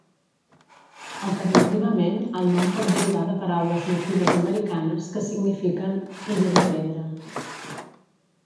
Alternativament, el nom pot derivar de paraules natives americanes que signifiquen "illa de pedra".